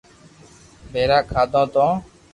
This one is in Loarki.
پآزا کاڌو تو